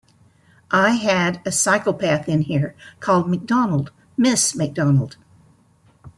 I had a psychopath in here, called McDonald - Miss McDonald.